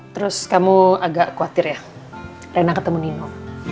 terus kamu agak khawatir ya rena ketemu nino